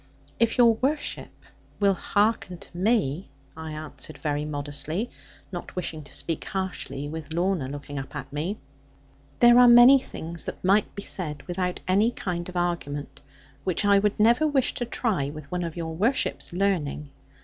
'If your worship will hearken to me,' I answered very modestly, not wishing to speak harshly, with Lorna looking up at me; 'there are many things that might be said without any kind of argument, which I would never wish to try with one of your worship's learning.